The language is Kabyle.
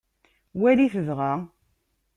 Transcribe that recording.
Walit dɣa.